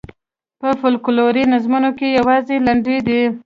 په فوکلوري نظمونو کې یوازې لنډۍ دي.